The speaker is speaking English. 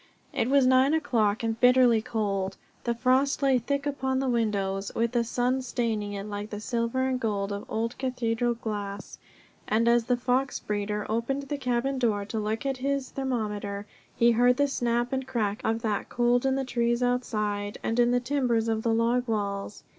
It was nine o'clock, and bitterly cold. The frost lay thick upon the windows, with the sun staining it like the silver and gold of old cathedral glass, and as the fox breeder opened the cabin door to look at his thermometer he heard the snap and crack of that cold in the trees outside, and in the timbers of the log walls.